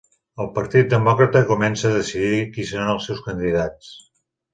El Partit Demòcrata comença a decidir qui seran els seus candidats